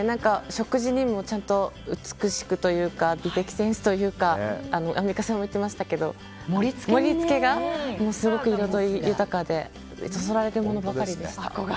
食事にも美しくというか美的センスというかアンミカさんも言ってましたけど盛り付けがすごく彩り豊かでそそられるものばかりでした。